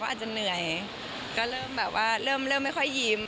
อาจจะเหนื่อยก็เริ่มแบบว่าเริ่มไม่ค่อยยิ้ม